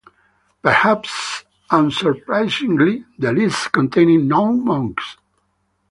Perhaps unsurprisingly, the list contained no monks.